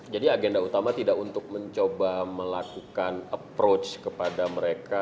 jadi agenda utama tidak untuk mencoba melakukan approach kepada mereka